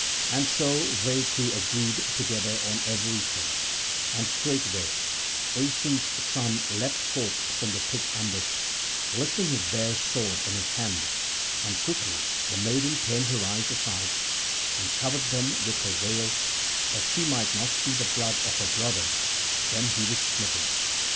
And so they two agreed together on everything; and straightway Aeson's son leapt forth from the thick ambush, lifting his bare sword in his hand; and quickly the maiden turned her eyes aside and covered them with her veil that she might not see the blood of her brother when he was smitten.